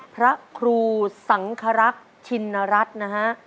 พระครูสังครักษ์ชินรัฐนะฮะ